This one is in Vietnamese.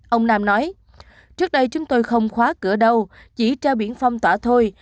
ông nam nói trước đây chúng tôi không khóa cửa đâu chỉ ra biển phong tỏa thôi